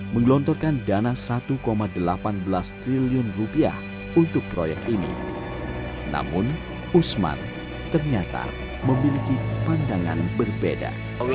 menggelontorkan dana satu delapan belas triliun rupiah untuk proyek ini namun usman ternyata memiliki pandangan berbeda